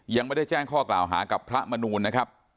ยังไม่ได้แจ้งข้อกล่าวหากับพระมนูลนะครับ